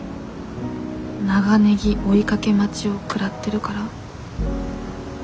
長ネギ追いかけ待ちを食らってるから？